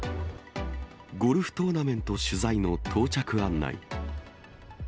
ゴルフトーナメント取材の到着案内。